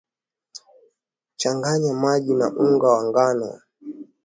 changanya maji na unga wa ngano